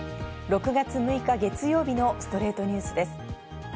６月６日、月曜日の『ストレイトニュース』です。